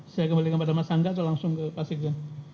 saya kembalikan kepada mas angga atau langsung ke pak sekjen